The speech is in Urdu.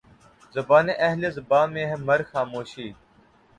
زبانِ اہلِ زباں میں ہے مرگِ خاموشی